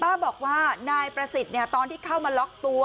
ป้าบอกว่านายประสิทธิ์ตอนที่เข้ามาล็อกตัว